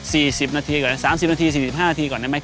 สิบนาทีก่อนสามสิบนาทีสี่สิบห้านาทีก่อนได้ไหม